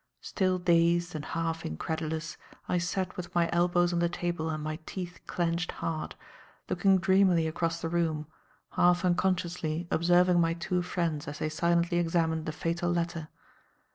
Still dazed and half incredulous, I sat with my elbows on the table and my teeth clenched hard, looking dreamily across the room, half unconsciously observing my two friends as they silently examined the fatal letter.